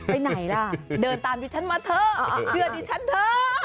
ไปไหนล่ะเดินตามดิฉันมาเถอะเชื่อดิฉันเถอะ